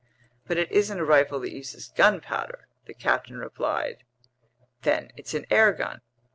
"But it isn't a rifle that uses gunpowder," the captain replied. "Then it's an air gun?"